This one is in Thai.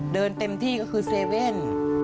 เต็มที่ก็คือเซเว่น